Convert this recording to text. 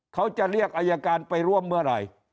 เขาจะเรียกอายการไปร่วมเมื่อไหร่